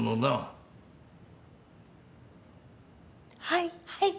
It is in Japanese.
はいはい。